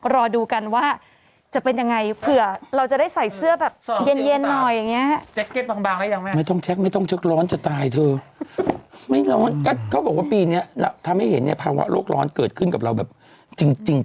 รอดูกันว่าจะเป็นยังไงเผื่อเราจะได้ใส่เสื้อแบบเย็นหน่อยอย่างนี้